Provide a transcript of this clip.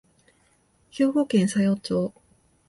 兵庫県佐用町